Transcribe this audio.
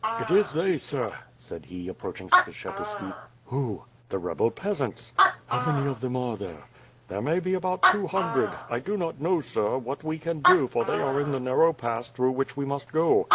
"It is they, sir," said he, approaching Skshetuski. "Who?" "The rebel peasants." "How many of them are there?" "There may be about two hundred. I do not know, sir, what we can do for they are in the narrow pass through which we must go.